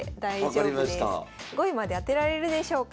５位まで当てられるでしょうか。